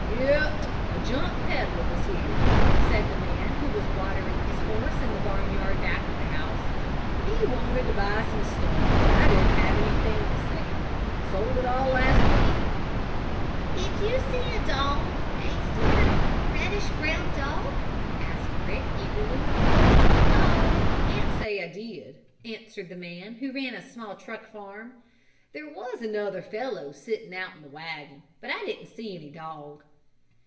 "Yep, a junk peddler was here," said the man who was watering his horse in the barnyard back of the house. "He wanted to buy stuff but I didn't have anything to sell. Sold it all last week." "Did you see a dog a sort of reddish brown dog?" asked Rick eagerly. "No, I can't say I did," answered the man, who ran a small truck farm. "There was another fellow sitting out in the wagon. But I didn't see any dog."